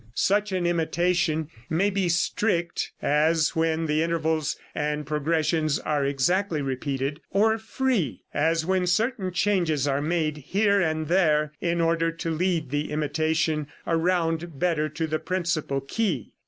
Such an imitation may be "strict," as when the intervals and progressions are exactly repeated; or "free," as when certain changes are made here and there in order to lead the imitation around better to the principal key.